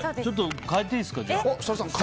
変えていいですか？